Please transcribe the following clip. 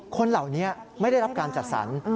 คนเหล่านี้ไม่ได้รับการจัดสรร